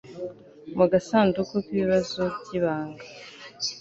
mu gasanduku k'ibibazo by'ibanga